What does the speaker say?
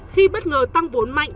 khi bất ngờ tăng vốn mạnh